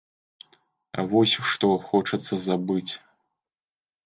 Вось што хочацца забыць.